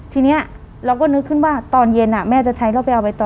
ทีนี้เราก็นึกขึ้นว่าตอนเย็นแม่จะใช้แล้วไปเอาไปต่อ